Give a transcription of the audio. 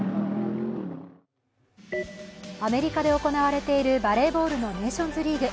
アメリカで行われているバレーボールのネーションズリーグ。